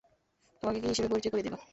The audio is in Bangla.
তোমাকে কী হিসেবে পরিচয় করিয়ে দিবো?